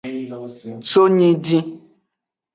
So nyidin.